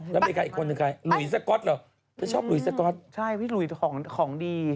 แล้วมีใครอีกคนหนึ่งใครหลุยสก๊อตเหรอเธอชอบหลุยสก๊อตใช่พี่หลุยของของดี